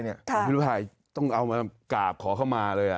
คุณพิรุภายต้องเอามากราบขอเข้ามาเลย